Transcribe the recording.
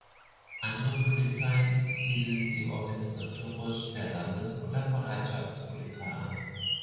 Andere Polizeien siedeln sie organisatorisch der Landes- oder der Bereitschaftspolizei an.